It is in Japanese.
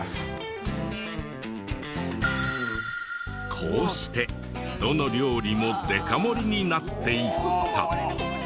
こうしてどの料理もデカ盛りになっていった。